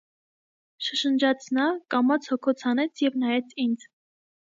շշնջաց նա, կամաց հոգոց հանեց և նայեց ինձ: